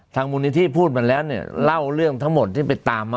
มูลนิธิพูดมาแล้วเนี่ยเล่าเรื่องทั้งหมดที่ไปตามมา